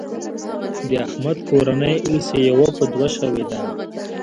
د احمد کورنۍ اوس يوه په دوه شوېده.